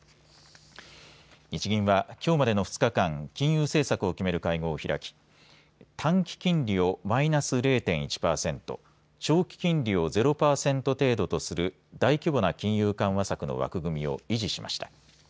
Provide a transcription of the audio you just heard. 日銀はきょうまでの２日間金融政策を決める会合を開き短期金利をマイナス０．１％、長期金利をゼロ％程度とする大規模な金融緩和策の枠組みを維持しました。